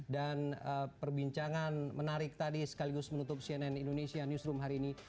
dan perbincangan menarik tadi sekaligus menutup cnn indonesia newsroom hari ini